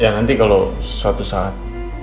ya nanti kalau suatu saat